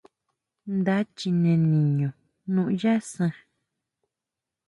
Nda chine niño nuyá san.